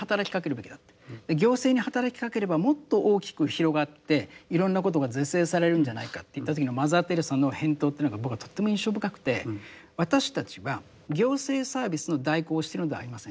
行政に働きかければもっと大きく広がっていろんなことが是正されるんじゃないかと言った時のマザー・テレサの返答というのが僕はとっても印象深くて私たちは行政サービスの代行をしてるのではありませんと。